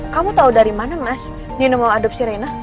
kamu tahu dari mana mas nino mau adopsi reina